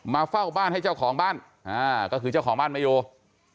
เฝ้าบ้านให้เจ้าของบ้านก็คือเจ้าของบ้านไม่อยู่